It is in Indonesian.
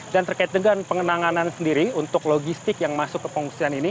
dan terkait dengan penanganan sendiri untuk logistik yang masuk ke pengungsian ini